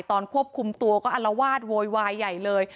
ตอนควบคุมตัวก็อลวาดโวยวายใหญ่เลย